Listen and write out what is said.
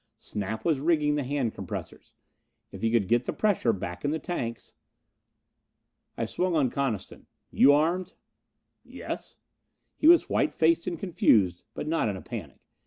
Snap was rigging the hand compressors. If he could get the pressure back in the tanks.... I swung on Coniston. "You armed?" "Yes." He was white faced and confused, but not in a panic.